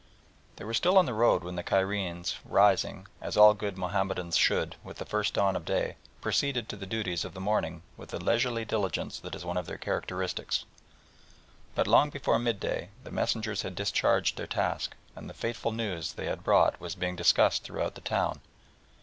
They were still on the road when the Cairenes rising, as all good Mahomedans should, with the first dawn of day, proceeded to the duties of the morning with the leisurely diligence that is one of their characteristics. But long before mid day the messengers had discharged their task, and the fateful news they had brought was being discussed throughout the town.